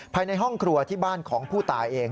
ภายในห้องครัวที่บ้านของผู้ตายเอง